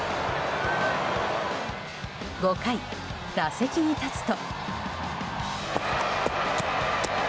５回、打席に立つと。